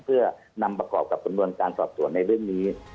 เพื่อนำประกอบกับสำนวนการสอบสวนในเรื่องนี้